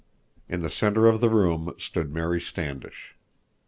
In the center of the room stood Mary Standish.